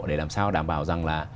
để làm sao đảm bảo rằng là